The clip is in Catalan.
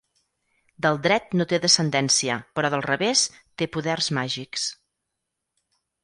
Del dret no té descendència, però del revés té poders màgics.